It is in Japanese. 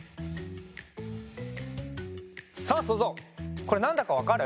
さあそうぞうこれなんだかわかる？